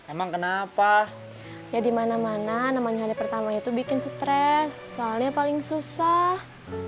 emang kenapa ya dimana mana namanya hari pertama itu bikin stres soalnya paling susah